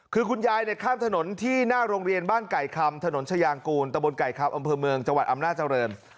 คือคุณยายข้ามถนนที่หน้าโรงเรียนบ้านไก่คำถนนชายางกูลตะบนไก่คำอำเภอเมืองจังหวัดอำนาจริง